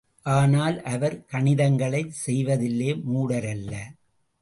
ஆனால், அவர் கணிதங்களைச் செய்வதிலே மூடரல்ல.